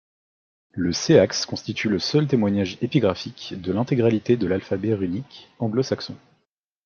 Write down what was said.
Le seax constitue le seul témoignage épigraphique de l'intégralité de l'alphabet runique anglo-saxon.